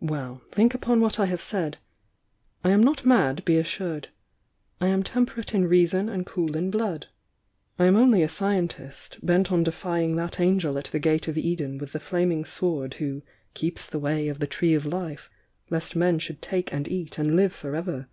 Well, think upon what I have said! I am not mad, be assured! — I am temperate in reason and cool in blood. I am only a scientist, bent on defying that Angel at the gate of Eden with the flaming sword who 'keeps the way of the Tree of Life,' lest men should take and eat and live for ever